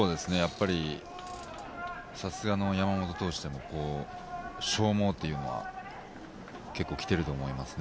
さすがの山本投手でも、消耗というのは結構きていると思いますね。